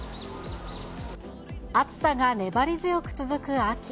暑さが粘り強く続く秋。